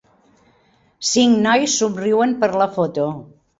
Cinc nois somriuen per la foto.